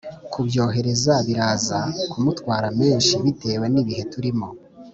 kubyohereza biraza kumutwara menshi bitewe n’ibihe turimo